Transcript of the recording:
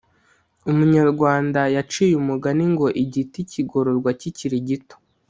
Umunyarwanda yaciye umugani ngo igiti kigororwa kikiri gito